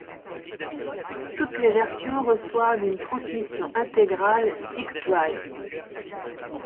Toutes les versions reçoivent une transmission intégrale xDrive.